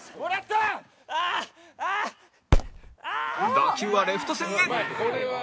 打球はレフト線へ